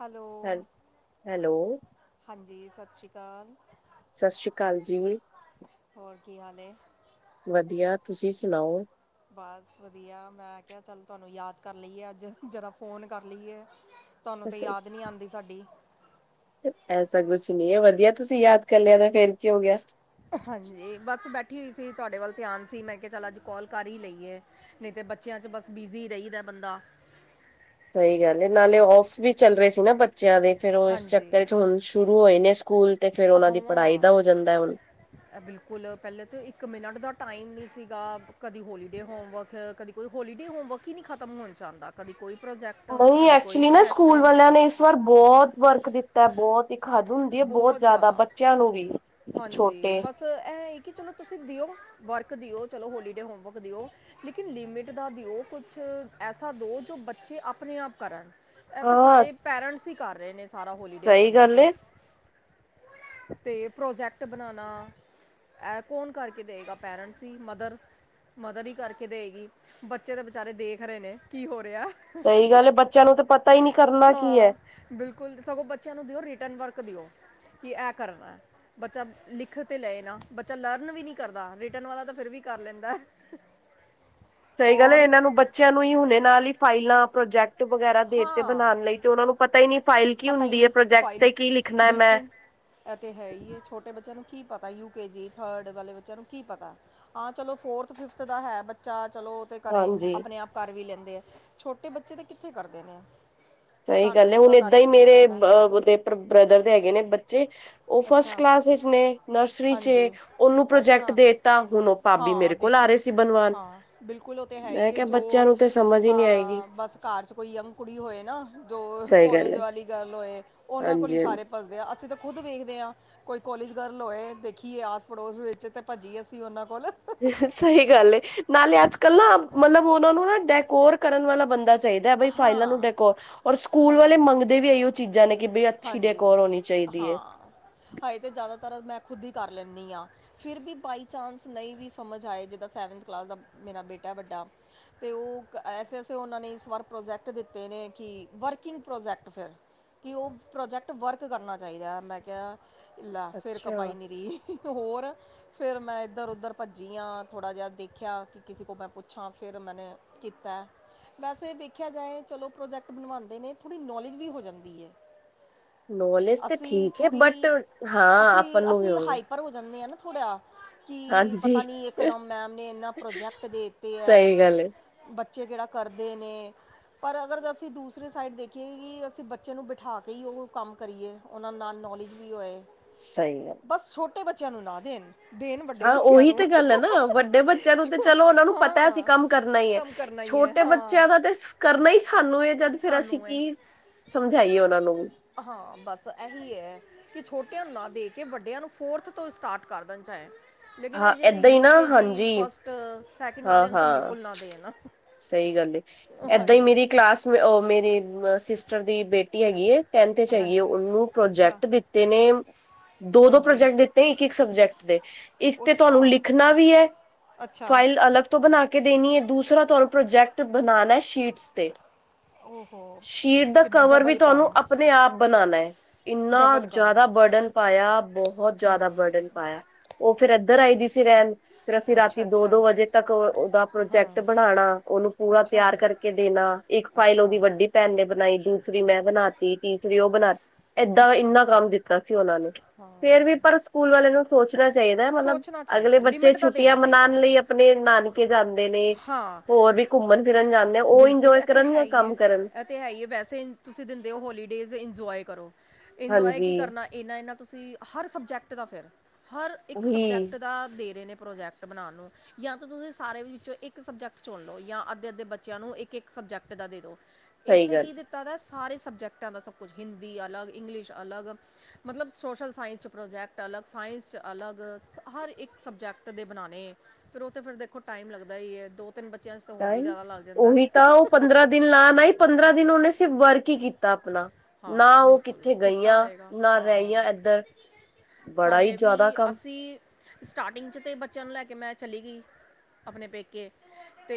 Hello, ਹੈ hello, ਹਾਂਜੀ ਸਤਿ ਸ਼੍ਰੀ ਅਕਾਲ। ਸਤਿ ਸ੍ਰੀ ਅਕਾਲ ਜੀ। ਹੋਰ ਕੀ ਹਾਲ ਏ? ਵਧੀਆ। ਤੁਸੀਂ ਸੁਣਾਓ? ਬਸ ਵਧੀਆ। ਮੈਂ ਕਿਹਾ ਚੱਲ, ਤੁਹਾਨੂੰ ਯਾਦ ਕਰ ਲਈਏ ਅੱਜ, ਜ਼ਰਾ ਫ਼ੋਨ ਕਰ ਲਈਏ। ਤੁਹਾਨੂੰ ਤੇ ਯਾਦ ਨੀ ਆਉਂਦੀ ਸਾਡੀ‌। ਐਸਾ ਕੁਛ ਨਹੀ ਏ, ਵਧੀਆ ਤੁਸੀਂ ਯਾਦ ਕਰਲਿਆ ਤਾਂ, ਫਿਰ ਕਿ ਹੋਗਿਆ? ਹਾਂਜੀ, ਬਸ ਬੈਠੀ ਹੋਈ ਸੀ, ਤੁਹਾਡੇ ਵੱਲ ਧਿਆਨ ਸੀ। ਮੈਂ ਕਿਹਾ ਚੱਲ, ਅੱਜ ਕੌਲ ਕਰ ਹੀ ਲਈਏ।। ਨਹੀਂ, ਤੇ ਬੱਚਿਆਂ'ਚ ਬਸ ਬਿਜ਼ੀ ਰਹੀਦਾ ਬੰਦਾ। ਸਹੀ ਗੱਲ ਹੈ, ਨਾਲੇ ਔਫ ਵੀ ਚੱਲ ਰਹੇ ਸੀ ਨਾ ਬੱਚਿਆਂ ਦੇ, ਫਿਰ ਉਹ ਇਸ ਹਾਂਜੀ ਚੱਕਰ'ਚ ਹੁਣ ਸ਼ੁਰੂ ਹੋਏ ਨੇ ਸਕੂਲ, ਤੇ ਫਿਰ ਉਹਨਾਂ ਦੀ ਪੜ੍ਹਾਈ ਹਾਂ ਦਾ ਹੋ ਜਾਂਦਾ ਏ, ਹੁਣ। ਬਿਲਕੁਲ। ਪਹਿਲੇ ਤੇ ਇੱਕ ਮਿਨਟ ਦਾ ਟਾਈਮ ਨਹੀਂ ਸੀਗਾ, ਕਦੀ ਹੋਲੀਡੇ ਹੋਮਵਰਕ, ਕਦੀ ਕੋਈ ਹੋਲੀਡੇ ਹੋਮਵਰਕ ਹੀ ਨਹੀਂ ਖਤਮ ਹੋਣ'ਚ ਆਂਦਾ, ਕਦੀ ਕੋਈ ਪ੍ਰੋਜੈਕਟ, ਕਦੀ ਕੋਈ ਪ੍ਰੋਜੈਕਟ ਸ ਵਾਰ ਬਹੁਤ ਵਰਕ ਦਿੱਤਾ, ਬਹੁਤ ਹੀ ਖਾ ਹੁੰਦੀ ਏ ਬਹੁਤ ਜ਼ਿਆਦਾ, ਬੱਚਿਆਂ ਨੂੰ ਵੀ, ਛੋਟੇ‌ ਐ ਏ, ਕਿ ਚਲੋ ਤੁਸੀਂ ਦਿਓ, ਵਰਕ ਦਿਓ, ਚਲੋ ਹੋਲੀਡੇ ਹੋਮਵਰਕ ਦਿਓ ਲੇਕਿਨ ਲਿਮੀਟ ਦਾ ਦਿਓ ਕੁਛ, ਐਸਾ ਦੋ, ਜੋ ਬੱਚੇ ਅਪਣੇ-ਆਪ ਕਰਣ। ਇਹ ਤੇ ਹਾਂ ਸਾਰੇ ਪੇਰੈਂਟਸ ਹੀ ਕਰ ਰਹੇ ਨੇ, ਸਾਰਾ ਹੋਲੀਡੇ ਸਹੀ ਹੋਮਵਰਕ। ਗੱਲ ਏ। ਤੇ, ਪ੍ਰੋਜੈਕਟ ਬਣਾਣਾ, ਐ ਕੌਣ ਕਰਕੇ ਦਇਗਾ, ਪੈਰੈਂਟਸ ਹੀ, ਮਦਰ। ਮਦਦ ਹੀ ਕਰਕੇ ਦੇਗੀ, ਬੱਚੇ ਤਾਂ ਬੀਚਾਰੇ ਦੇਖ ਰਹੇ ਨੇ, ਕੀ ਹੋ ਰਿਹਾ। ਸਹੀ ਗੱਲ ਏ, ਬੱਚਿਆਂ ਨੂੰ ਤਾਂ ਪਤਾ ਹੀ ਨਹੀਂ ਕਰਨਾ ਕੀ ਐ। ਹਾਂ ਬਿਲਕੁਲ, ਸਗੋਂ ਬੱਚਿਆਂ ਨੂੰ ਦਿਓ ਰਿਟਰਨ ਵਰਕ ਦਿਓ, ਕਿ ਐ ਕਰਨਾ। ਬੱਚਾ ਲਿਖ ਤੇ ਲਏ ਨਾ, ਬੱਚਾ ਲਰਨ ਵੀ ਨਹੀਂ ਕਰਦਾ, ਰਿਟਰਨ ਵਾਲਾ ਤਾਂ ਫਿਰ ਵੀ ਕਰ ਲੈਂਦਾ। ਹ ਹ ਸਹੀ ਗੱਲ ਏ, ਇਹਨਾਂ ਨੂੰ ਬੱਚਿਆਂ ਨੂੰ ਹੀ ਹੁਣੇ ਨਾਲ ਹੀ ਫਾਈਲਾਂ, ਪ੍ਰੋਜੈਕਟ ਵਗੈਰਾ ਦੇਤੇ ਹਾਂ ਬਣਾਉਣ ਲਈ, ਤੇ ਉਹਨਾਂ ਨੂੰ ਪਤਾ ਹੀ ਨਹੀਂ, ਫਾਈਲ ਕੀ ਪਤਾ ਹੀ ਹੁੰਦੀ ਹੈ? ਨਹੀਂ ਪ੍ਰੋਜੈਕਟ ਤੇ ਕੀ ਲਿਖਣਾ ਹੈ, ਮੈਂ। ਐ ਤੇ ਹੈਈ ਏ, ਛੋਟੇ ਬੱਚਿਆਂ ਨੂੰ ਕੀ ਪਤਾ, ਯੂਕੇਜੀ, ਥਰਡ ਵਾਲੇ ਬੱਚਿਆਂ ਨੂੰ ਕੀ ਪਤਾ। ਹਾਂ ਚਲੋ ਫੋਰਥ-ਫਿਫੱਥ ਦਾ ਹੈ ਬੱਚਾ ਚੱਲੋ ਤੇ ਕਰੇ ਹਾਂਜੀ ਆਪਣੇ ਆਪ ਕਰ ਵੀ ਲੈਂਦੇ ਆ ਛੋਟੇ ਬੱਚੇ ਤਾਂ ਕਿੱਥੇ ਕਰਦੇ ਨੇ ਸਹੀ ਸਾਨੂੰ ਹੀ ਗੱਲ ਏ। ਹੁਣ ਥੋੜ੍ਹਾ ਏਦਾਂ ਕਰਕੇ ਹੀ ਦੇਣਾ ਮੇਰੇ ਪੈਂਦਾ ਹੈ। ਉਹਦੇ ਬ੍ਰਦਰ ਦੇ ਹੈਗੇ ਨੇ ਬੱਚੇ ਉਹ ਫਸਟ ਅੱਛਾ ਕਲਾਸ ਵਿਚ ਨੇ ਨਰਸਰੀ ਚ ਏ ਹਾਂਜੀ ਉਹਨੂੰ ਪ੍ਰੋਜੈਕਟ ਅੱਛਾ ਦੇੱਤਾ ਹੁਣ ਉਹ ਭਾਬੀ ਹਾਂ ਮੇਰੇ ਕੋਲ ਆ ਦੇਖੋ ਰਹੇ ਸੀ ਬਣਵਾਨ ਹਾਂ ਬਿਲਕੁਲ ਉਹ ਤਾਂ ਹੈ ਮੈਂ ਹੀ ਏ ਕਿਹਾ ਜੋ ਬੱਚਿਆਂ ਨੂੰ ਤੇ ਸਮਝ ਹੀ ਨਹੀਂ ਆਏਗੀ ਹਾਂ ਬਸ। ਘਰ ਚ ਕੋਈ ਯੰਗ ਕੁੜੀ ਹੋਏ ਨਾ ਜੋ ਸਹੀ ਗੱਲ ਕੋਲਜ ਹੈ ਵਾਲੀ ਗਰਲ ਹੋਏ ਉਹਨਾਂ ਕੋਲ ਹਾਂਜੀ ਹੀ ਹਾਂਜੀ ਸਾਰੇ ਫਸਦੇ ਆ ਅਸੀਂ ਤਾਂ ਖੁਦ ਵੇਖਦੇ ਹਾਂ। ਕੋਈ ਕੋਲਜ ਗਰਲ ਹੋਏ ਦੇਖੀਏ ਆਸ ਪੜੋਸ ਵਿੱਚ ਤੇ ਭੱਜੀਏ ਅਸੀਂ ਉਹਨਾਂ ਕੋਲ ਸਹੀ ਗੱਲ ਏ ਨਾਲੇ ਅੱਜ-ਕੱਲ੍ਹ ਨਾ ਮਤਲਬ ਉਹਨਾਂ ਨੂੰ ਨਾ ਡੈਕੋਰ ਕਰਨ ਵਾਲਾ ਬੰਦਾ ਚਾਹੀਦਾ ਬਈ ਫਾਈਲਾਂ ਨੂੰ ਹਾਂ ਡੈਕੋਰ ਔਰ ਸਕੂਲ ਵਾਲੇ ਮੰਗਦੇ ਵੀ ਇਹ ਈ ਓ ਚੀਜ਼ਾਂ ਨੇ ਕਿ ਬਈ ਅੱਛੀ ਡੈਕੋਰ ਹੋਣੀ ਚਾਹੀਦੀ ਏ। ਹਾਈ ਤੇ ਜ਼ਿਆਦਾਤਰ ਮੈਂ ਖੁਦ ਹੀ ਕਰ ਲੈਂਣੀ ਹਾਂ। ਫਿਰ ਵੀ ਬਾਈ ਚਾਂਸ ਨਹੀਂ ਵੀ ਸਮਝ ਆਏ ਜਿੱਦਾਂ ਸੈਵਨਥ ਕਲਾਸ ਦਾ ਮੇਰਾ ਬੇਟਾ ਐ ਵੱਡਾ ਅਤੇ ਉਹ ਐਸੇ-ਐਸੇ ਉਹਨਾਂ ਨੇ ਇਸ ਵਾਰ ਪ੍ਰੋਜੈਕਟ ਦਿੱਤੇ ਨੇ ਕਿ ਵਰਕਿੰਗ ਪ੍ਰੋਜੈਕਟ ਫਿਰ ਕਿ ਉਹ ਪ੍ਰੋਜੈਕਟ ਵਰਕ ਕਰਨਾ ਚਾਹੀਦਾ ਹੈ ਮੈਂ ਕਿਹਾ ਲੈ ਸਿਰ ਖਪਾਈ ਅੱਛਾ ਨੀਰੀ। ਹੋਰ ਫੇਿਰ ਮੈਂ ਇੱਧਰ-ਉੱਧਰ ਭੱਜੀ ਆਾਂ ਥੋੜ੍ਹਾ ਜਿਹਾ ਦੇਖਿਆ ਕਿ ਕਿਸੇ ਕੋ ਮੈਂ ਪੁੱਛਾਂ ਫਿਰ ਮੈਨੇ ਕੀਤਾ ਵੈਸੇ ਵੇਖਿਆ ਜਾਏ ਚਲੋ ਪ੍ਰੋਜੈਕਟ ਬਣਵਾਦੇ ਨੇ ਥੋੜ੍ਹੀ ਨੌਲੇਜ ਵੀ ਹੋ ਜਾਂਦੀ ਏ। ਨੌਲੇਜ ਤੇ ਅਸੀਂ ਠੀਕ ਹੈ ਬਟ ਥੋੜ੍ਹੀ ਹਾਂ ਆਪਾਂ ਅਸੀਂ ਨੂੰ ਵੀ ਅਸੀਂ ਹੋਵੇ ਹਾਈਪਰ ਹੋ ਜਾਂਣੇ ਆ ਨਾ ਥੋੜ੍ਹਾ। ਕਿ ਹਾਂਜੀ ਪਤਾ ਨੀ ਇਕਦੱਮ ਮੈਮ ਨੇ ਇਹਨਾਂ ਪ੍ਰੋਜੈਕਟ ਦੇਤੇ ਐ। ਸਹੀ ਗੱਲ ਹੈ। ਬੱਚੇ ਕਿਹੜਾ ਕਰਦੇ ਨੇ। ਪਰ ਅਗਰ ਅਸੀਂ ਦੂਸਰੀ ਸਾਈਡ ਦੇਖੀਏ ਕਿ ਅਸੀਂ ਬੱਚੇ ਨੂੰ ਬਿਠਾ ਕੇ ਕਈ ਉਹ ਕੰਮ ਕਰੀਏ ਉਹਨਾਂ ਨਾਲ ਨੌਲੇਜ ਵੀ ਹੋਏ। ਸਹੀ ਗੱਲ। ਬਸ ਛੋਟੇ ਬੱਚਿਆਂ ਨੂੰ ਨਾ ਦੇਣ। ਦੇਣ ਵੱਡੇ ਹਾਂ ਬੱਚਿਆਂ ਉਹੀ ਨੂੰ ਤੇ ਗੱਲ ਹੈ ਨਾ ਵੱਡੇ ਬੱਚਿਆਂ ਨੂੰ ਤੇ ਛੋ- ਚਲੋ ਉਹਨਾਂ ਨੂੰ ਪਤਾ ਅਸੀ ਹਾਂ ਕੰਮ ਕਰਨਾ ਈ ਐ। ਕੰਮ ਕਰਨਾ ਹੀ ਹੈ ਛੋਟੇ ਹਾਂ ਬੱਚਿਆਂ ਦਾ ਤੇ ਕਰਨਾ ਹੀ ਸਾਨੂੰ ਏ ਜਦ ਫਿਰ ਅਸੀਂ ਸਾਨੂੰ ਹੈ ਕੀ ਸਮਝਾਈਏ ਉਹਨਾਂ ਨੂੰ ਹਾਂ ਬਸ ਇਹੀ ਹੈ। ਕਿ ਛੋਟਿਆਂ ਨੂੰ ਨਾ ਦੇ ਕੇ ਵੱਡਿਆਂ ਨੂੰ ਫੋਰਥ ਤੋਂ ਸਟਾਰਟ ਕਰ ਦੇਣ ਚਾਏ। ਲੇਕਿਨ ਅ ਹਾਂ ਜਿਹੜੇ ਏਦਾਂ ਹੀ ਨਾ ਯੂਕੇ ਜੀ, ਹਾਂਜੀ ਫਸਟ, ਸੈਕਿੰਡ ਹਾਂ ਵਾਲੇ ਨੂੰ ਤਾਂ ਹਾਂ ਬਿਲਕੁੱਲ ਨਾ ਦੇਣ ਨਾ। ਸਹੀ ਗੱਲ ਏ ਏਦਾਂ ਹੀ ਮੇਰੀ ਕਲਾਸ ਮੇਰੀ ਅ ਸਿਸਟਰ ਦੀ ਬੇਟੀ ਹੈਗੀ ਏ ਟੈਂਨਥ ਚ ਹੈਗੀ ਏ ਹਾਂਜੀ ਉਹਨੂੰ ਅੱਛਾ ਪ੍ਰੋਜੈਕਟ ਦਿੱਤੇ ਨੇ ਦੋ-ਦੋ ਹਾਂਜੀ ਪ੍ਰੋਜੈਕਟ ਦਿੱਤੇ ਇੱਕ-ਇੱਕ ਸਬਜੈਕਟ ਦੇ। ਇੱਕ ਤੇ ਅੱਛਾ ਤੁਹਾਨੂੰ ਲਿਖਣਾ ਵੀ ਐ ਅੱਛਾ ਫਾਈਲ ਅਲੱਗ ਤੋਂ ਬਣਾ ਕੇ ਦੇਣੀ ਏ ਦੂਸਰਾ ਤੁਹਾਨੂੰ ਪ੍ਰੋਜੈਕਟ ਬਣਾਣਾ ਸ਼ੀਟਸ ਤੇ। ਓਹ ਹੋ। ਸ਼ੀਟ ਦਾ ਕਵਰ ਵੀ ਤੁਹਾਨੂੰ ਆਪਣੇ ਆਪ ਬਣਾਣਾ ਏ। ਇੰਨਾ ਡਬਲ ਕੰਮ ਜ਼ਿਆਦਾ ਬਰਡਨ ਪਾਇਆ ਬਹੁਤ ਜ਼ਿਆਦਾ ਬਰਡਨ ਪਾਇਆ। ਉਹ ਫੇਿਰ ਇੱਧਰ ਆਈ ਦੀ ਸੀ ਰਹਿਣ ਫਿਰ ਅਸੀਂ ਅੱਛਾ ਰਾਤੀ ਅੱਛਾ ਦੋ-ਦੋ ਵਜੇ ਤੱਕ ਉਹਦਾ ਹਾਂ ਪ੍ਰੋਜੈਕਟ ਬਣਾਣਾ ਉਹਨੂੰ ਪੂਰਾ ਤਿਆਰ ਅੱਛਾ ਕਰਕੇ ਕੇ ਦੇਣਾ ਇੱਕ ਫਾਈਲ ਉਹਦੀ ਅੱਛਾ ਵੱਡੀ ਭੈਣ ਨੇ ਬਣਾਈ ਦੂਸਰੀ ਮੈਂ ਬਣਾ ਤੀ ਤੀਸਰੀ ਉਹ ਬਣਾ ਏਦਾਂ ਅੱਛਾ ਇੰਨਾ ਕੰਮ ਦਿੱਤਾ ਸੀ ਉਹਨਾਂ ਨੇ ਫੇਰ ਵੀ ਪਰ ਸਕੂਲ ਵਾਲੇ ਨੂੰ ਸੋਚਣਾ ਚਾਹੀਦਾ ਮਤਲਬ ਸੋਚਣਾ ਅਗਲੇ ਚਾਹੀਦਾ ਬੱਚੇ ਲਿਮਿਟ ਦਾ ਦੇਣਾ ਛੁੱਟੀਆਂ ਚਾਹੀਦਾ ਮਨਾਣ ਲਈ ਆਪਣੇ ਨਾਨਕੇ ਜਾਦੇ ਨੇ ਹਾਂ ਹੋਰ ਵੀ ਘੁੰਮਣ-ਫਿਰਨ ਜਾਦੇ ਉਹ ਇਜੋਏ ਕਰਨ ਯਾਂ ਕੰਮ ਕਰਨ ਉਹ ਤੇ ਹੈ ਹੀ ਏ ਵੈਸੇ ਤੁਸੀ ਦਿੰਦੇ ਹੋ ਹੋਲੀਡੇਜ ਇੰਜੋਏ ਕਰੋ ਇੰਜੋਏ ਹਾਂਜੀ ਕੀ ਕਰਨਾ ਇਨਾ-ਇਨਾ ਤੁਸੀ ਹਰ ਸਬਜੈਕਟ ਦਾ ਫਿਰ ਹਰ ਇਕ ਉਹੀ ਸਬਜੈਕਟ ਦਾ ਦੇ ਰਹੇ ਨੇ ਪ੍ਰੋਜੈਕਟ ਬਣਾ ਨੂੰ ਜਾਂ ਤਾਂ ਤੁਸੀ ਸਾਰੇੋਂ ਇਕ ਸਬਜੈਕਟ ਚੁਣ ਲਓ ਜਾਂ ਅੱਧੇ-ਅੱਧੇ ਬੇ ਚਿਆਂ ਨੂੰ ਇਕ ਇਕ ਸਬਜੈਕਟ ਦਾ ਦੇ ਦੋ। ਸਹੀ ਇਥੇ ਗੱਲ ਕੀ ਦਿ ਤਾ ਦਾਏ ਸਾਰੇ ਸਬਜੈਕਟਾਂ ਦਾ ਸਭ ਕੁਛ ਹਿੰਦੀ ਅਲਗ, ਇੰਗਲਿਸ਼ ਅਲਗ। ਮਤਲਬ ਸੋਸ਼ਲ ਸਾਈੰਸ ਚ ਪ੍ਰੋਜੈਕਟ ਅਲਗ, ਸਾਇੰਸ ਚ ਅਲਗ ਹਰ ਇਕ ਸਬਜੈਕਟ ਦੇ ਬਨਾਨੇ। ਫੇਰ ਉਹ ਤੇ ਫੇਰ ਦੇਖੋ ਟਾਈਮ ਲੱਗਦਾ ਈ ਐ। ਦੋ ਤਿੰਨ ਬੱਚਿਆਂ ਚ ਤੇ ਹੋਰ ਤਾਂ ਵੀ ਹੀ ਜ਼ਾਦਾ ਲੱਗ ਜਾਂਦਾ ਹੈ ਉਹੀ ਤਾਂ ਉਹ ਪੰਦਰਾਂ ਦਿਨ ਲਾਨ ਆਈ, ਪੰਦਰਾਂ ਦਿਨ ਉਹਨੇ ਸਿਰਫ ਵਰਕ ਹੀ ਕੀਤ ਤਾ ਆਪਨਾ, ਹਾਂ ਨਾ ਉਹ ਬਿਲਕੁਲ ਕਿਥੇ ਕੀਤਾ ਗਈਆਂ ਹੋਏਗਾ ਨਾ ਹਾਂ ਰਈਆਂ ਇਧਰ ਸਾਡੇ ਵੀ ਅਸੀ ਸਟਾਰਟਿੰਗ ਚ ਤੇ ਬੱਚਿਆਂ ਨੂੰ ਲੈ ਕੇ ਮੈ ਚਲੀ ਗਈ। ਆਪਨੇ ਪੇਕੇ ਤੇ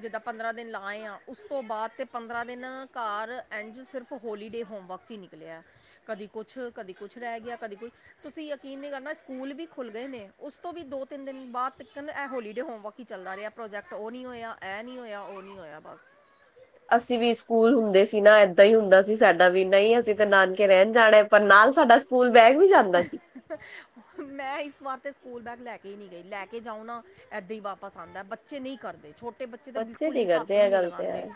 ਜਿੱਦਾਂ ਪੰਦਰਾਂ ਦਿਨ ਲਾਏ ਆ, ਉਸ ਤੋ ਬਾਅਦ ਤੇ ਪੰਦਰਾਂ ਦਿਨ ਘਰ ਇੰਝ ਸ ਸਿਰਫ ਹੋਲੀਡੇ ਹੋਮਵਕ ਚ ਈ ਨਿਕਲਿਆ। ਕਦੀ ਕੁਛ, ਕਦੀ ਕੁਛ ਰੇਹ ਗਿਆ, ਕਦੀ ਕੁ ਤੁਸੀਂ ਯਕੀਨ ਨੀ ਕਰਨਾ, ਸਕੂਲ ਵੀ ਖੁੱਲ ਗਏ ਨੇ, ਉਸ ਤੋਂ ਵੀ ਦੋ ਤਿੰਨ ਦਿਨ ਬਾਦ ਤੀਕਨ ਇਹ ਹੋਲੀਡੇ ਹੋਮਵਕ ਕੀ ਚੱਲਦਾ ਰਿਹਾ ਪ੍ਰੋਜੈਕਟ ਉਹ ਨੀ ਹੋਆ, ਏਹ ਨੀ ਹੋਆ, ਉਹ ਨੀ ਹੋਆ ਬਸ। ਅਸੀਂ ਵੀ ਸਕੂਲ ਹੁੰਦੇ ਸੀ ਨਾ ਏਦਾ ਈ ਹੁੰਦਾ ਸੀ ਸਾਡਾ ਵੀ, ਨਈ ਅਸੀਂ ਤੇ ਨਾਨਕੇ ਰੇਨ ਜਾਨਾਏ। ਪਰ ਨਾਲ ਸਾਡਾ ਸਕੂਲ ਬੈਗ ਵੀ ਜਾਂਦਾ ਸੀ। ਮੈਂ ਇਸ ਵਾਰ ਤੇ ਸਕੂਲ ਬੈਗ ਲੈ ਕੇ ਈ ਨਈ ਗਈ, ਲੈ ਕੇ ਜਾਉ ਨਾ ਏਦਾ ਈ ਵਾਪਸ ਆਂਦਾ, ਬੱਚੇ ਨਹੀ ਕਰਦੇ ਛੋਟ ਤੇ ਬੱਚੇ ਤੇ ਬਿਲਕੁਲ ਨੀ ਹੱਥ ਕਰਦੇ ਵੀ ਇਹ ਨੀ ਗੱਲ ਤੇ ਲਗਾਂਦੇ। ਹੈ,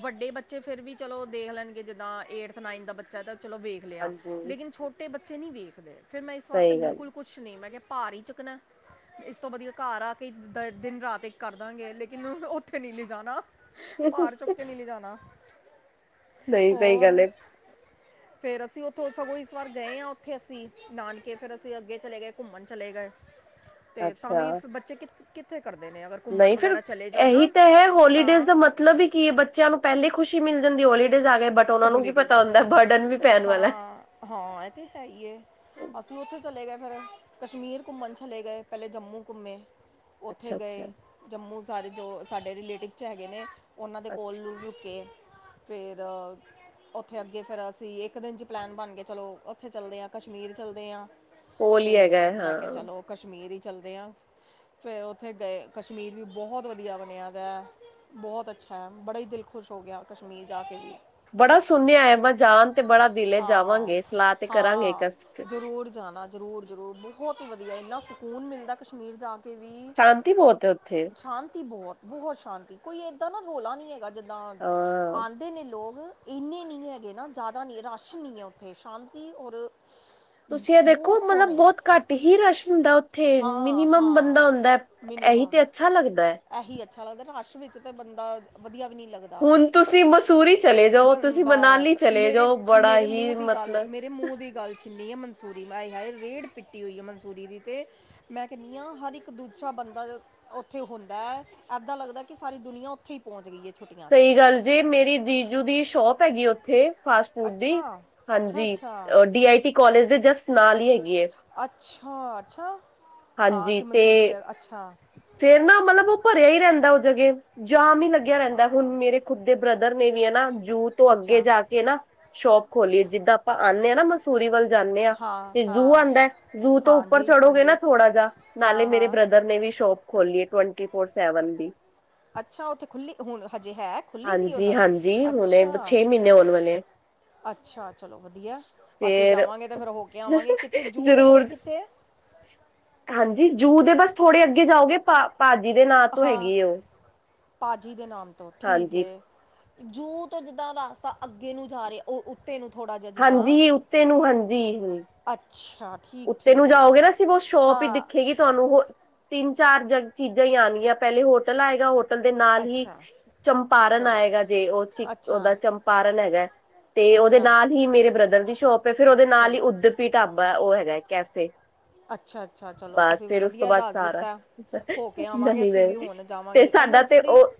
ਵਡੇ ਬੱ ਚੇ ਫੇਰ ਵੀ ਚਲੋ ਦੇਖ ਲੈਨਗੇ ਜਿੱਦਾਂ ਏਟਥ ਨਾਈਨਥ ਦਾ ਬੱਚਾ ਐ ਤਾ ਚਲੋ ਵੇਖ ਲਿਆ ਹਾਂਜੀ ਲੇਕਿਨ ਛੋ ਸਹੀ ਛੋਟੇ ਬੱਚੇ ਨੀ ਵੇਖਦੇ ਫਿਰ ਮੈ ਇਸ ਵਾਰ ਤੇ ਗੱਲ ਬਿਲਕੁਲ ਕੁਛ ਨ ਨਹੀ ਮੈ ਕਿਹਾ ਭਾਰ ਹੀ ਚੁੱਕਣਾ ਇਸ ਤੋਂ ਵਧੀਆ ਘਰ ਆ ਕੇ ਈ ਦਾ ਦਿਨ ਰਾਤ ਏਕ ਕਰਦਾਂਗੇ ਲੇਕਿਨ ਉਥੇ ਨੀ ਲੈਜਨਾ। ਪਾਰ ਚੁੱਕ ਕੇ ਨੀ ਲੈਜਾਨਾ, ਨਹੀਂ ਸਹੀ ਹੋਰ। ਗੱਲ ਹੈ ਫੇਰ ਅਸੀ ਉਥੋਂ ਸਗੋ ਇਸ ਵਾਰ ਗਏ ਆਂ ਉਥੇ ਅਸੀ ਨਾਨਕੇ ਫਿਰ ਅਸੀ ਅੱਗੇ ਚਲੇ ਗਏ, ਘੁੰਮਨ ਚਲੇ ਗਏ, ਤੇ ਤਾਂ ਅੱਛਾ ਵੀ ਫ ਬੱਚੇ ਕਿ ਕਿਥੇ ਕਰਦੇ ਨੇ ਅਗਰ ਘੁੰਮਣ ਨਹੀਂ ਫਿਰ ਵਗੈਰਾ ਚਲੇ ਜਾਓ ਇਹੀ ਨਾ, ਤਾਂ ਹੈ ਹੋਲੀਡੇਜ਼ ਹਾ। ਦਾ ਮਤਲਬ ਈ ਕਿਏ ਬੱਚਿਆਂ ਨੂੰ ਪਹਿਲੇ ਖੁਸ਼ੀ ਮਿਲ ਜਨਦੀਏ ਹੋਲੀਡੇਜ਼ ਆ ਗਏ ਬਟ ਉਹਨਾਂ ਨੂੰ ਕੀ ਹੌਲੀਡੇਜ਼ ਪਤਾ ਆ ਹੁੰਦਾਏ, ਗਏ ਬਰਡਨ ਵੀ ਪੈਣ ਵਾਲਾ। ਹਾਂ ਹਾਂ ਇਹ ਤੇ ਹੈ ਈ ਐ। ਅਸੀ ਉਥੇ ਚਲੇ ਗਏ ਫੇਰ, ਕਸ਼ਮੀਰ ਘੁੰਮਣ ਚਲੇ ਗਏ, ਪਹਿਲੇ ਜੰਮੂ ਘੁੰਮੇ। ਉਥੇ ਅੱਛਾ ਅੱਛਾ ਗਏ। ਜੰਮੂ ਸਾਰੇ ਜੋ ਸਾਡੇ ਰਿਲੇਟਿਵ ਚ ਹੈਗੇ ਨੇ। ਉਹਨਾਂ ਦੇ ਕੋਲ ਅੱਛਾ ਲੁ ਰੁੱਕੇ ਫੇਰ ਉਥੇ ਅੱਗੇ ਫੇਰ ਅਸੀ ਇਕ ਦਿਨ ਚ ਪਲੈਨ ਬਨ ਗਏ ਚਲੋ, ਉਥੇ ਚੱਲਦੇ ਆਂ ਕਸ਼ਮੀਰ ਚੱਲਦੇ ਆਂ। ਕੋਲ ਤੇ ਹੀ ਹੈਗਾ ਹੈ, ਮੈਂ ਕਿਹਾ ਹਾਂ ਚਲੋ ਕਸ਼ਮੀਰ ਈ ਚੱਲਦੇ ਆ। ਫੇਰ ਉੱਥੇ ਗਏ ਕਸ਼ਮੀਰ ਵੀ ਬਹੁਤ ਵਧੀਆ ਬਣਿਆ ਦੈ। ਬੋਹਤ ਅਛਾ ਹੈ। ਬੜਾ ਹੀ ਦਿਲ ਖੁਸ਼ ਹੋ ਗਿਆ ਕਸ਼ਮੀਰ ਜਾ ਕੇ ਵੀ। ਬੜਾ ਸੁਨਿਆ ਐ। ਬ ਜਾਨ ਤੇ ਬੜਾ ਦਿਲ ਹਾਂ ਜਾਵਾਂਗੇ ਸਲਾਹ ਤੇ ਕਰਾਂਗੇ ਇਕ ਅਸ ਰੁਰ ਜਾਨਾ ਜ਼ਰੂਰ-ਜ਼ਰੂਰ ਬੋਹਤ ਈ ਵਧੀਆ ਏ। ਇਨਾ ਸਕੂਨ ਮਿਲਦਾ ਕਸ਼ਮੀਰ ਜਾ ਕੇ ਵੀ ਬਹੁਤ ਹੈ ਉੱਥੇ ਸ਼ਾਂਤੀ ਬੋਤ ਬੋਹਤ ਸ਼ਾਂਤੀ, ਕੋਈ ਏਦਾਂ ਨਾ ਰੌਲਾ ਨੀ ਹੈਗਾ। ਜਿਦਾਂ ਹਾਂ ਆਂਦੇ ਨੇ ਲੋਗ ਇਨੇ ਨੀ ਹੈਗੇ ਨਾ, ਜਾਦਾ ਨੀ, ਰਾਸ਼ ਨੀ ਐ ਉਥੇ, ਸ਼ਾਂਤੀ ਔਰ ਤੁਸੀ ਇਹ ਦੇਖੋ ਬਹੁਤ ਮਤਲਬ ਸੋਹਣੀ ਬਹੁਤ ਘੱਟ ਹੀ ਰਸ਼ ਹੁੰਦਾ ਉਥੇ, ਹਾਂ ਮਿਨੀਮਮ ਹਾਂ ਬੰਦਾ ਹੁੰਦਾ ਇਹੀ ਤੇ ਅਛਾ ਲੱਗਦਾ ਐ। ਏਹੀ ਅਛਾ ਲੱਗਦਾ ਰਸ਼ ਵਿਚ ਤੇ ਬੰਦਾ ਵਧੀਆ ਵੀ ਨੀ ਲੱਗ ਹੁਨ ਤੁਸੀਂ ਮਸੂਰੀ ਚਲੇ ਜਾਓ, ਤੁਸੀਂ ਮਨਾਲੀ ਬਸ ਚਲੇ ਜਾਓ ਬੜਾ ਹੀ ਮਤਲਬ ਰੇ ਮੂੰਹ ਦੀ ਗੱਲ ਛਿੱਨੀਏ ਮਨਸੂਰੀ, ਆਏ ਹਾਏ ਰੇੜ ਪਿੱਟੀ ਹੋਈ ਐ ਮਨਸੂਰੀ ਦੀ ਤੇ ਮੈਂ ਕੇਨੀ ਆ ਹਰ ਇੱਕ ਦੂਜਾ ਬੰਦਾ ਉੱਥੇ ਹੁੰਦਾ ਐ ਏਦਾਂ ਲੱਗਦਾਏ ਕਿ ਸਾਰੀ ਦੁਨੀਆ ਓ ਥੇ ਈ ਪੌਂਚ ਗਈ ਏ ਛੱਟੀਆਂ ਚ। ਸਹੀ ਗੱਲ ਜੇ ਮੇਰੀ ਜੀਜੂ ਦੀ ਸ਼ੋਪ ਹੈਗੀ ਉੱਥੇ। ਫਾਸਟ ਫੂਡ ਦੀ, ਅੱਛਾ ਅੱਛਾ ਹਾਂਜੀ ਅੱਛਾ ਅ ਡੀ ਆਈ ਪੀ ਕੋਾਲਜ ਦੇ ਜਸਟ ਨਾਲ ਈ ਹੈਗੀ ਐ। ਅੱਛਾ-ਅੱਛਾ, ਹਾਂ ਹਾਂਜੀ ਅਸੀਂ ਤੇ ਮੰਨਸੂਰੀ ਗਏ ਅੱਛਾ। ਫੇਰ ਨਾ ਮਲਬ ਉਹ ਭਰਿਆ ਹੀ ਰਹਿੰਦਾ ਉਹ ਜਗੇ, ਜਾਮ ਹੀ ਲੱਗੇ ਵ ਰਹਿੰਦੇ, ਹੁਨ ਮੇਰੇ ਖੁਦ ਦੇ ਬ੍ਰਦਰ ਨੇ ਵੀ ਏ ਨਾ ਜੂ ਤੋਂ ਅੱਗੇ ਅੱਛਾ ਜਾ ਕੇ ਨਾ ਸ਼ੋਪ ਖੋਲੀ ਏ, ਜਿੱਦਾਂ ਆਪਾਂ ਆਨੇ ਆ ਨਾ ਮਸੂਰੀ ਵੱਲ ਜਾਨੇ ਆ ਹਾਂ ਤੇ ਜ਼ੂ ਹਾਂ ਆਦੇ, ਜ਼ੂ ਤੋਂ ਉੱਪਰ ਹਾਂਜੀ ਚੜੋਗੇ ਨਾ ਹਾਂਜੀ ਥੋੜਾ ਜਾ ਨਾਲੇ ਹਾਂ ਮੇਰੇ ਹਾਂ ਬ੍ਰਦਰ ਨੇ ਵੀ ਸ਼ੋਪ ਖੋਲੀ ਏ ਟੁਵੰਟੀ ਫੋਰ ਸੈਵਨ ਦੀ ਅੱਛਾ, ਉੱਥੇ ਖੁੱਲ੍ਹੀ ਹੁਣ ਹਜੇ ਹੈ ਖੁੱਲ੍ਹੀ ਦੀ ਹਾਂਜੀ ਉਹਨਾਂ ਨੇ? ਹਾਂਜੀ ਹੁਣੇ ਅੱਛਾ! ਛੇ ਮਹੀਨੇ ਹੋਣ ਵਾਲੇ ਹੈ। ਅੱਛਾ, ਚਲੋ ਵਧੀਆ। ਅਸੀਂ ਫੇਰ ਜਾਵਾਂਗੇ ਤਾਂ ਫਿਰ ਹੋ ਕੇ ਆਵਾਂਗੇ ਕਿੱਥੇ ਜੂ ਦੇ ਕੋਲ ਜ਼ਰੂਰ ਕਿੱਥੇ ਏ? ਹਾਂਜੀ, ਜੂ ਦੇ ਬਸ ਥੋੜੇ ਅੱਗੇ ਜਾਓਗੇ ਭ ਭਾਜੀ ਦੇ ਨਾਂ ਤੋਂ ਹਾਂ ਹੈਗੀ ਉਹ ਪਾਜੀ ਦੇ ਨਾਮ ਤੋਂ, ਠੀਕ ਹਾਂਜੀ ਏ, ਜੂ ਤੋਂ ਜਿੱਦਾਂ ਰਾਸਤਾ ਅੱਗੇ ਨੂੰ ਜਾ ਰਿਹੇ ਉਹ ਉੱਤੇ ਨੂੰ ਥੋੜ੍ਹਾ ਜਿਹਾ ਜਿੱਦਾਂ, ਹਾਂਜੀ ਉੱਤੇ ਨੂੰ ਅੱਛਾ। ਠੀਕ ਉਤੇ ਨੂੰ ਠੀਕ ਹੈ ਜਾਓਗੇ ਨਾ ਸੀਵ ਉਹ ਸ਼ੋਪ ਹੀ ਹਾਂ ਦਿਖੇਗੀ ਤੁਹਾਨੂੰ ਹੋ ਤਿੰਨ ਚਾਰ ਜ ਚੀਜ਼ਾਂ ਹੀ ਆਨਗੀਆਂ ਪਹਿਲੇ ਹੋਟਲ ਆਏਗਾ, ਹੋਟਲ ਦੇ ਨਾਲ ਹੀ ਅੱਛਾ ਚੰਪਾਰਨ ਚਲੋ ਆਏਗਾ ਜੇ, ਉਹ ਅੱਛਾ ਓਦਾ ਚੰਪਾਰਨ ਹੈਗਾ ਤੇ ਉਹਦੇ ਅੱਛਾ ਨਾਲ ਹੀ ਮੇਰੇ ਬ੍ਰਦਰ ਦੀ ਸ਼ੋਪ, ਫੇਰ ਉਹਦੇ ਨਾਲ ਹੀ ਚਲੋ ਉਧਰ ਢਾਬਾ, ਉਹ ਹੈਗਾ ਕੈਫੇ ਅੱਛਾ ਅੱਛਾ ਚਲੋ ਬਸ, ਤੁਸੀਂ ਵੀ ਫੇਰ ਉਸ ਤੋਂ ਵਧੀਆ ਬਾਅਦ ਦੱਸ ਸਾਰਾ, ਦਿੱਤਾ ਹੋ ਕੇ ਆਵਾਂਗੇ ਨਹੀਂ ਅਸੀਂ ਨਹ ਵੀ ਹੁਣ ਤੇ ਜਾਵਾਂਗੇ ਅ ਸਾਡਾ ਤੇ ਮਨਸੂਰੀ ਉਹ,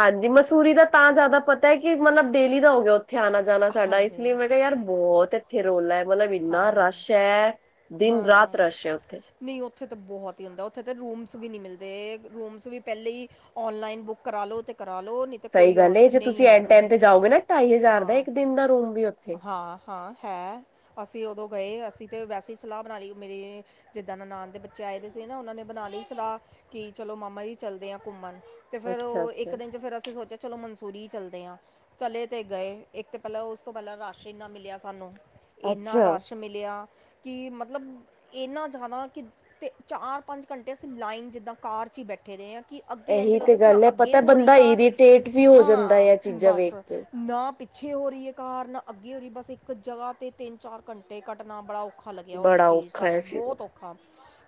ਹਾਂਜੀ ਮਸੂਰੀ ਦਾ ਤਾਂ ਜ਼ਿਆਦਾ ਪਤਾ ਹੈ ਕਿ ਮਤਲਬ ਡੇਲੀ ਦਾ ਹੋ ਗਿਆ ਉੱਥੇ ਆਨਾ ਜਾਨਾ ਸਾਡਾ ਇਸ ਹਾਂਜੀ ਲਈ ਮੈਂ ਕਿਹਾ ਯਾਰ, ਬੋਹਤ ਏ ਏਥੇ ਰੋਲਾ ਹੈ ਮਲਬ ਇੰਨਾ ਰਸ਼ ਹੈ ਦਿਨ ਰਾਤ ਰਸ਼ ਹੈ ਉੱਥੇ ਨੀ ਉੱਥੇ ਤੇ ਬਹੁਤ ਹੀ ਹੁੰਦਾ, ਉੱਥੇ ਤੇ ਰੂਮਸ ਵੀ ਨੀ ਮਿਲਦੇ ਰੂਮਸ ਵੀ ਪਹਿਲੇ ਈ ਔਨਲਾਈਨ ਬੁੱਕ ਕਰਾ ਲਓ ਤੇ ਕਰਾ ਲਓ ਨੀ ਸਹੀ ਗੱਲ ਹੈ ਜੇ ਤੁਸੀਂ ਐਨ ਟਾਈਮ ਤੇ ਜਾਓਗੇ ਨਾ ਢਾਈ ਹਜ਼ਾਰ ਦਾ ਹਾਂ ਇੱਕ ਦਿਨ ਦਾ ਰੂਮ ਵੀ ਉੱਥੇ ਹਾਂ ਹਾਂ ਹੈ। ਅਸੀਂ ਉਦੋਂ ਗਏ ਅਸੀਂ ਤੇ ਵੈਸੇ ਹੀ ਸਲਾਹ ਬਣਾ ਲੀ ਮੇਰੀ ਜਿੱਦਾਂ ਨਨਾਨ ਦੇ ਬੱਚੇ ਆਏ ਦੇ ਸੀ ਨਾ ਉਹਨਾਂ ਨੇ ਬਨਾ ਲੀ ਸਲਾਹ, ਕਿ ਚਲੋ ਮਾਮਾ ਜੀ ਚੱਲਦੇ ਆ ਘੁੰਮਣ ਤੇ ਫੇਰ ਅੱਛਾ ਉਹ ਇੱਕ ਅੱਛਾ ਦਿਨ ਚ ਫਿਰ ਅਸੀਂ ਸੋਚਿਆ ਚਲੋ ਮਨਸੂਰੀ ਹੀ ਚੱਲਦੇ ਹਾਂ। ਚਲੇ ਤੇ ਗਏ ਇੱਕ ਤਾਂ ਪਹਿਲਾਂ ਉਸ ਤੋਂ ਪਹਿਲਾਂ ਰਾਸ਼ ਇੰਨਾ ਮਿਲਿਆ ਸਾਨੂੰ, ਇੰਨਾ ਅੱਛਾ ਰਾਸ਼ ਮਿਲਿਆ ਕਿ ਮਤਲਬ ਇੰਨਾ ਜ਼ਿਆਦਾ ਕਿ, ਤੇ ਚਾਰ ਪੰਜ ਘੰਟੇ ਅਸੀਂ ਲਾਈਨ ਜਿੱਦਾਂ ਕਾਰ ਚ ਹੀ ਬੈਠੇ ਰਹੇ ਹਾਂ ਕਿ ਅੱਗੇ ਏੰਜ ਇਹੀ ਲਗਦਾ ਤੇ ਸੀ ਨਾ ਗੱਲ ਹੈ ਅੱਗੇ ਪਤਾ ਹੋ ਰੀ ਬੰਦਾ ਕਾਰ, ਇਰੀਟੇਟ ਵੀ ਹੋ ਜਾਂਦਾ ਹੈ ਇਹ ਹਾਂ ਚੀਜ਼ਾਂ ਬਸ, ਵੇਖ ਕੇ ਨਾ ਪੀਛੇ ਹੋ ਰਹੀ ਏ ਕਾਰ, ਨ ਅੱਗੇ ਹੋ ਰਹੀ ਏ, ਬਸ ਇੱਕ ਜ੍ਹਗਾ ਤੇ ਤਿੰਨ ਚਾਰ ਘੰਟੇ ਕੱਡਨਾ ਬੜਾ ਔ ਔਖਾ ਲੱਗਿਆ ਉਹ ਤੇ ਬੜਾ ਚੀਜ਼ ਔਖਾ ਹੈ ਸਾਨੂੰ ਫਿਰ ਬਹੁਤ ਔਖਾ,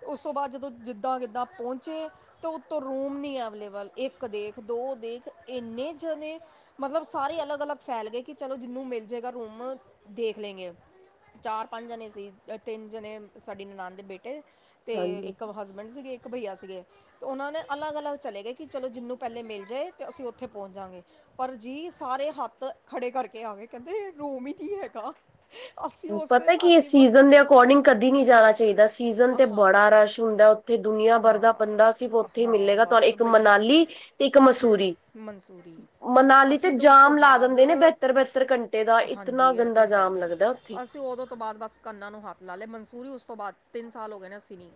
ਉਸ ਤੋਂ ਬਾਅਦ ਜਦੋਂ ਜਿੱਦਾਂ ਕਿਦਾਂ ਪਹੁੰਚੇ ਤੇ ਉੱਤੋਂ ਰੂਮ ਨੀ ਅਵੇਲੇਬਲ ਇੱਕ ਦੇਖ, ਦੋ ਦੇਖ, ਏਨੇ ਜਨੇ ਮਤਲਬ ਸਾਰੇ ਅਲੱਗ ਅਲੱਗ ਫੈਲ ਗਏ ਕਿ ਚਲੋ ਜਿਹਨੂੰ ਮਿਲ ਜੇਗਾ ਰੂਮ ਦੇਖ ਲੈਂਗੇ ਚਾਰ ਪੰਜ ਜਨੇ ਸੀ, ਤਿੰਨ ਜਨੇ ਸਾਡੀ ਨਨਾਨ ਦੇ ਬੇਟੇ ਤੇ ਹਾਂਜੀ ਇੱਕ ਹਸਬ ਬੈਂਡ ਸੀਗੇ, ਇੱਕ ਭਈਆ ਸੀਗੇ ਤੇ ਉਹ ਨੇ ਅਲੱਗ ਅਲੱਗ ਚਲੇ ਗਏ ਕਿ ਚਲੋ ਜਿਹਨੂੰ ਪਹਿਲੇ ਮਿਲ ਜੇ, ਤੇ ਅਸੀਂ ਉੱਥੇ ਪਹੁੰਚ ਜਾਂਗੇ ਪਰ ਜੀ ਸਾਰੇ ਹੱਥ ਖੜੇ ਕਰਕੇ ਆ ਗੇ, ਕਹਿੰਦੇ ਰੂਮ ਹੀ ਨੀ ਹੈਗਾ ਅਸੀਂ ਉਸੇ ਪਤਾ ਕੀ ਐ ਰਾਤੀ ਬ ਸੀਜਨ ਦੇ ਅਕੋਰਡਿੰਗ ਕਦੇ ਨੀ ਜਾਨਾ ਚਾਹੀਦਾ, ਸੀਜਨ ਤੇ ਹਾਂ ਬੜਾ ਰਸ਼ ਹੁੰਦਾ ਤੇ ਦੁਨੀਆਂ ਭਰ ਦਾ ਹਾਂ ਬੰਦਾ ਸਿਰਫ ਉੱਥੇ ਹੀ ਹਾਂ ਮਿਲੇਗਾ ਤੁਹਾ ਬਸ ਇੱਕ ਬਈ ਮਨਾਲੀ ਤੇ ਇੱਕ ਹਮ, ਮਸੂਰੀ ਮਨਸੂਰੀ ਮਨਾਲੀ ਤੇ ਅਸੀਂ ਤਾਂ ਉਸ ਤੋਂ ਜਾਮ ਲਾ ਦਿੰਦੇ ਨੇ ਬਾਅਦ ਬਿਹਤਰ ਬਹਤਰ ਘੰਟੇ ਦਾ ਇਤਨਾ ਹਾਂਜੀ ਇਹ ਤੇ ਗੰਦਾ ਹੈ ਜਾਮ ਹੀ ਹੈ ਲੱਗਦੇ ਉ ਅਸੀਂ ਉਦੋਂ ਤੋਂ ਬਾਅਦ, ਬਸ ਕੰਨਾਂ ਨੂੰ ਹੱਥ ਲਾ ਲਏ ਮਨਸੂਰੀ ਉਸ ਤੋਂ ਬਾਅਦ ਤਿੰਨ ਸਾਲ ਹੋ ਗਏ ਨੇ ਅਸੀਂ ਨੀ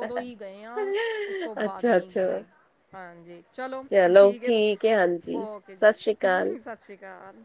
ਉਦੋਂ ਹੀ ਗਏ ਆ ਉਸ ਤੋਂ ਬਾਅਦ ਅੱਛਾ ਨੀ ਅੱਛਾ ਗਏ ਹਾਂਜੀ, ਚਲੋ ਠੀਕ ਹੈ ਹਾਂਜੀ ਓਕੇ ਜੀ, ਸਤਿ ਸ੍ਰੀ ਅਕਾਲ ਸਸ ਸ੍ਰੀ ਕਾਲ